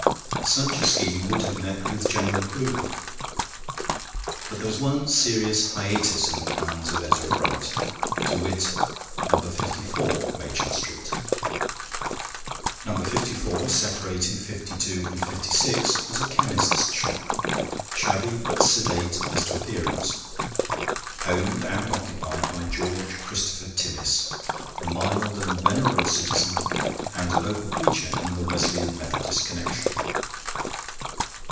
Such a scheme would have met with general approval. But there was one serious hiatus in the plans of Ezra Brunt to wit, No. 54, Machin Street. No. 54, separating 52 and 56, was a chemist's shop, shabby but sedate as to appearance, owned and occupied by George Christopher Timmis, a mild and venerable citizen, and a local preacher in the Wesleyan Methodist Connexion.